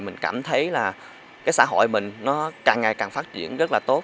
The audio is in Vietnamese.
mình cảm thấy là cái xã hội mình nó càng ngày càng phát triển rất là tốt